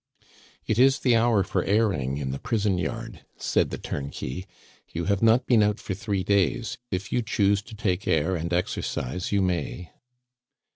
"It is the hour for airing in the prison yard," said the turnkey; "you have not been out for three days; if you choose to take air and exercise, you may."